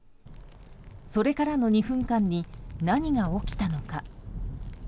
それからの２分間に何が起きたのか。